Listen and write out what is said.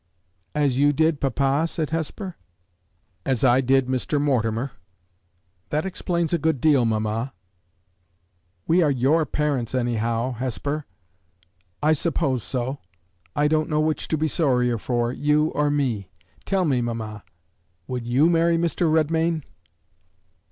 "As you did papa?" said Hesper. "As I did Mr. Mortimer." "That explains a good deal, mamma." "We are your parents, anyhow, Hesper." "I suppose so. I don't know which to be sorrier for you or me. Tell me, mamma: would you marry Mr. Redmain?"